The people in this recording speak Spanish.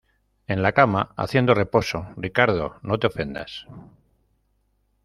en la cama haciendo reposo. Ricardo, no te ofendas